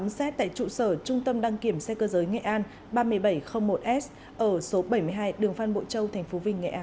vào ngày bốn tháng hai công an tỉnh nghệ an đã tiến hành khám xét tại trụ sở trung tâm đăng kiểm xe cơ giới nghệ an ba nghìn bảy trăm linh một s ở số bảy mươi hai đường phan bội châu